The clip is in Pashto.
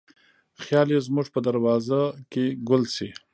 خیال یې زموږ په دروازه کې ګل شي